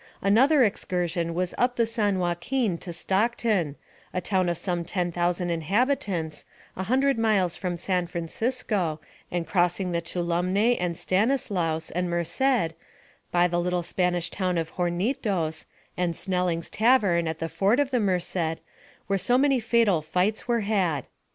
Another excursion was up the San Joaquin to Stockton, a town of some ten thousand inhabitants, a hundred miles from San Francisco, and crossing the Tuolumne and Stanislaus and Merced, by the little Spanish town of Hornitos, and Snelling's Tavern, at the ford of the Merced, where so many fatal fights are had.